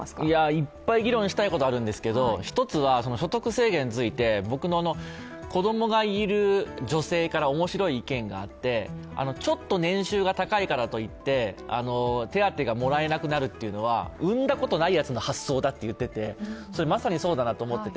いっぱい議論したいことあるんですけど１つは所得制限について、子供がいる女性から面白い意見があって、ちょっと年収が高いからといって手当がもらえなくなるというのは産んだことないやつの発想だと言っててまさにそうだなと思っていて。